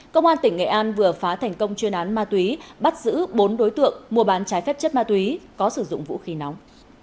công an tỉnh nghệ an vừa phá thành công chuyên án ma túy bắt giữ bốn đối tượng mua bán trái phép chất ma túy có sử dụng vũ khí nóng